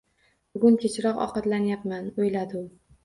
Bugun kechroq ovqatlanyapman, o`yladi u